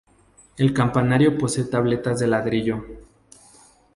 El campanario posee tabletas de ladrillo.